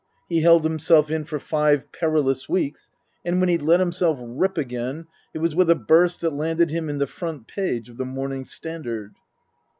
He held himself in for five perilous weeks ; and when he let him self rip again it was with a burst that landed him in the front page of the Morning Standard.